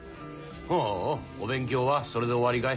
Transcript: ほぉお勉強はそれで終わりかい。